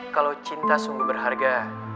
kalau cinta sungguh berharga